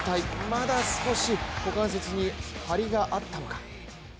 まだ少し股関節に張りがあったのか。